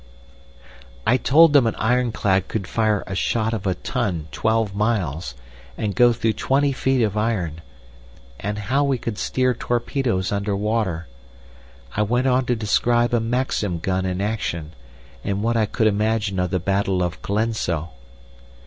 "I told them an ironclad could fire a shot of a ton twelve miles, and go through 20 feet of iron—and how we could steer torpedoes under water. I went on to describe a Maxim gun in action, and what I could imagine of the Battle of Colenso.